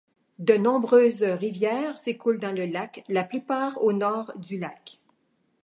De nombreuses rivières s'écoulent dans le lac, la plupart au nord du lac.